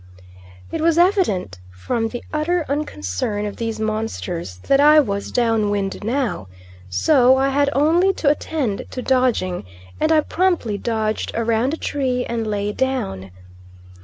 It was evident from the utter unconcern of these monsters that I was down wind now, so I had only to attend to dodging, and I promptly dodged round a tree, and lay down.